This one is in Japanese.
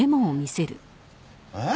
えっ？